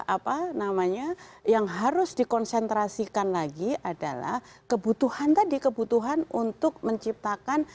apa namanya yang harus dikonsentrasikan lagi adalah kebutuhan tadi kebutuhan untuk menciptakan